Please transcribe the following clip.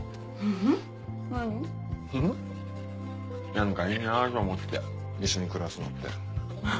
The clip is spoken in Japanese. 何かいいなぁと思って一緒に暮らすのフフ